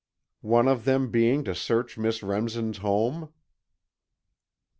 "One of them being to search Miss Remsen's home?"